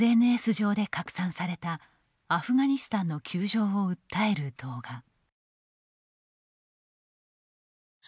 ＳＮＳ上で拡散されたアフガニスタンの窮状を訴える動画。